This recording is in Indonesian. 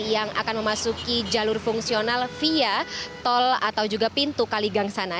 yang akan memasuki jalur fungsional via tol atau juga pintu kaligang sana